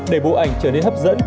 để bộ ảnh trở nên hấp dẫn